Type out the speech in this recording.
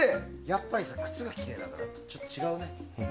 やっぱり靴がきれいだからちょっと違うね。